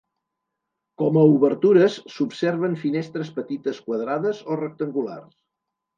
Com a obertures, s'observen finestres petites quadrades o rectangulars.